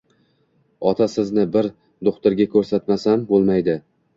Ota, sizni bir do`xtirga ko`rsatmasam bo`lmaydi